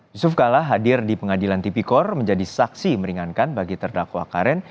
yusuf kala hadir di pengadilan tipikor menjadi saksi meringankan bagi terdakwa karen